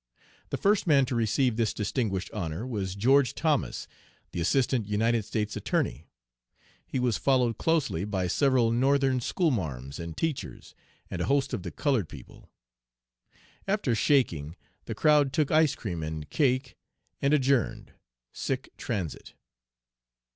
"The first man to receive this distinguished honor was George Thomas, the Assistant United States Attorney. He was followed closely by several Northern school marms and teachers, and a host of the colored people. "After shaking, the crowd took ice cream and cake and adjourned. Sic transit!"